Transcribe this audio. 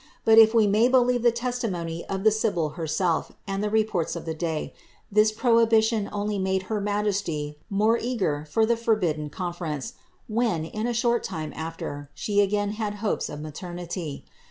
But if we may believe the testimony of the sibyl herself, and the reports of the day, this prohibition only made her majesty the more eager for the forbidden conference, when, in a fhort time after, she again had hopes of maternity.